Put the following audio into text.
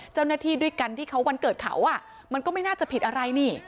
เจ้าหน้าที่ด้วยกันที่เขาวันเกิดเขามันก็ไม่น่าจะผิดอะไรนี่